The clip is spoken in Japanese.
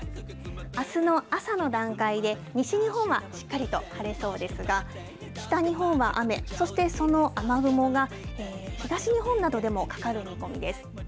あすの朝の段階で、西日本はしっかりと晴れそうですが、北日本は雨、そしてその雨雲が東日本などでもかかる見込みです。